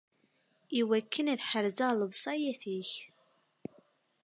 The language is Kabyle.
Iwakken ad ḥerzeɣ lewṣayat-ik!